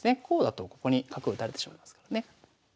こうだとここに角を打たれてしまいますからね。